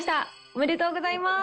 おめでとうございます。